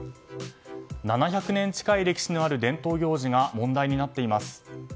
７００年近い歴史のある伝統行事が問題になっています。